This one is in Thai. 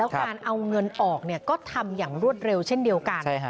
การเอาเงินออกก็ทำอย่างรวดเร็วเช่นเดียวกัน